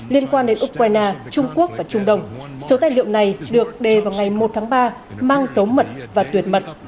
liên quan đến ukraine trung quốc và trung đông số tài liệu này được đề vào ngày một tháng ba mang dấu mật và tuyệt mật